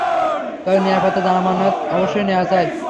তবে নিরাপত্তার জামানত অবশ্যই নেয়া চাই।